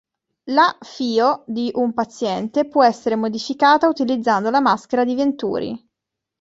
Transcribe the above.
La FiO di un paziente può essere modificata utilizzando la maschera di Venturi.